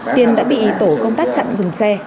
tiền đã bị tổ công tác chặn dừng xe